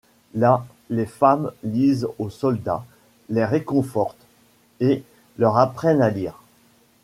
Là, les femmes lisent aux soldats, les réconfortent, et leur apprennent à lire.